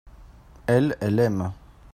elle, elle aime.